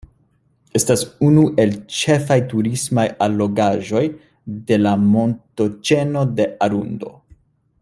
Estas unu el ĉefaj turismaj allogaĵoj de la Montoĉeno de Arundo.